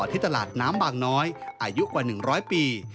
ที่ตลาดน้ำบางน้อยอายุกว่า๑๐๐ปี